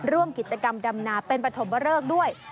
ร่วมกิจกรรมดำนาเป็นปฐมเริกด้วย